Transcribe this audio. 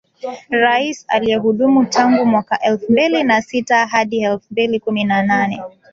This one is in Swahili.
rais aliyehudumu tangu mwaka elfu mbili na sita hadi elfu mbili kumi na nane